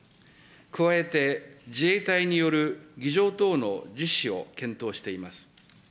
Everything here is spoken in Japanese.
加えて、自衛隊による儀じょう等の実施を検討しています。